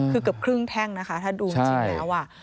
คือเกือบครึ่งแท่งนะคะถ้าดูจริงแล้วอ่ะ